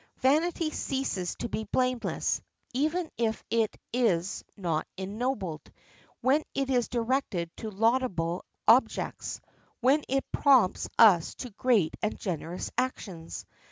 Vanity ceases to be blameless, even if it is not ennobled, when it is directed to laudable objects, when it prompts us to great and generous actions.